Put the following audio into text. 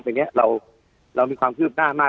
แต่เป็นเมืองแบบนี้เรามีความชื่นหน้ามาก